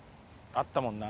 あったもんな。